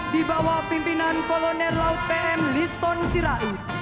dibawah pimpinan kolonel laut pm liston sirahut